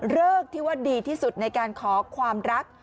ที่ว่าดีที่สุดในการขอความรัก